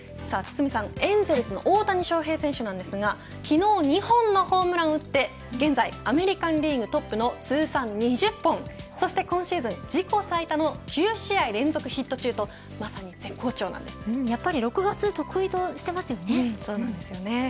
エンゼルスの大谷翔平選手ですが昨日、２本のホームランを打って現在、アメリカンリーグトップの通算２０本、そして今シーズン自己最多の９試合連続ヒット中とやっぱり６月そうなんですよね。